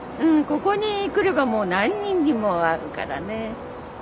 うんここに来ればもう何人にも会うからね。